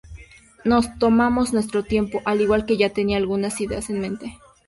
Nos tomamos nuestro tiempo al igual que ya tenía algunas ideas en mente.